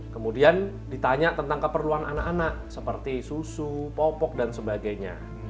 kemudian ditanya tentang keperluan anak anak seperti susu popok dan sebagainya